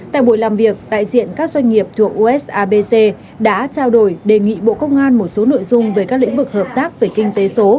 tại buổi làm việc đại diện các doanh nghiệp thuộc usabc đã trao đổi đề nghị bộ công an một số nội dung về các lĩnh vực hợp tác về kinh tế số